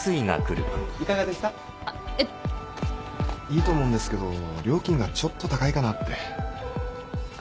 いいと思うんですけど料金がちょっと高いかなって。